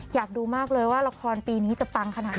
อยากดูมากเลยว่าละครปีนี้จะปังขนาดไหน